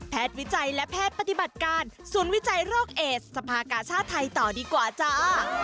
วิจัยและแพทย์ปฏิบัติการศูนย์วิจัยโรคเอสสภากาชาติไทยต่อดีกว่าจ้า